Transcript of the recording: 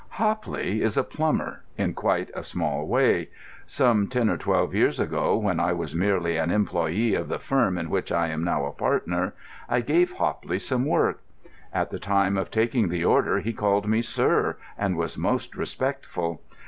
Hopley is a plumber, in quite a small way. Some ten or twelve years ago, when I was merely an employee of the firm in which I am now a partner, I gave Hopley some work. At the time of taking the order he called me "sir," and was most respectful.